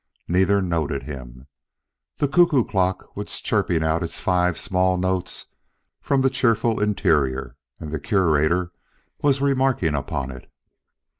Neither noted him. The cuckoo clock was chirping out its five small notes from the cheerful interior, and the Curator was remarking upon it.